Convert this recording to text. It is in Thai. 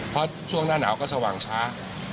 เพราะช่วงหน้าหนาวก็สว่างช้า